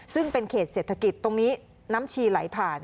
ซึ่งเป็นเขตเศรษฐกิจตรงนี้น้ำชีไหลผ่าน